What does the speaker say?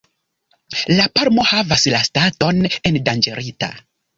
La palmo havas la staton "endanĝerita“.